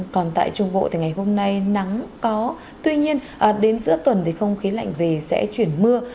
còn tại trung bộ thì ngày hôm nay nắng có tuy nhiên đến giữa tuần thì không khí lạnh về sẽ chuyển mưa